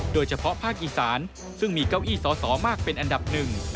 โดยเฉพาะภาคอีสานซึ่งมีเก้าอี้สอสอมากเป็นอันดับหนึ่ง